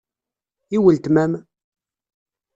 I weltma-m?